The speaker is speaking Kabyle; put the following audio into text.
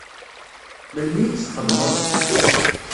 Melmi i t-txedmeḍ?